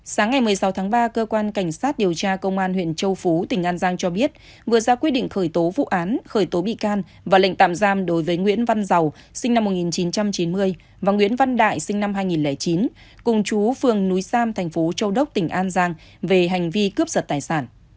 sáng ngày một mươi sáu tháng ba cơ quan cảnh sát điều tra công an huyện châu phú tỉnh an giang cho biết vừa ra quyết định khởi tố vụ án khởi tố bị can và lệnh tạm giam đối với nguyễn văn giàu sinh năm một nghìn chín trăm chín mươi và nguyễn văn đại sinh năm hai nghìn chín cùng chú phường núi sam thành phố châu đốc tỉnh an giang về hành vi cướp giật tài sản